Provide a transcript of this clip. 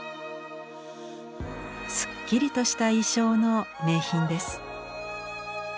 すっきりとした意匠の名品です。